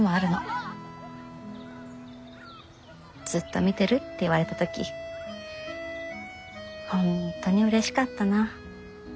ずっと見てるって言われた時本当にうれしかったな。